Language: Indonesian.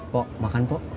pok makan pok